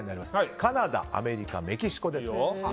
カナダ、アメリカ、メキシコ。